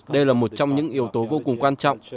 đây là một trong những yếu tố vô cùng quan trọng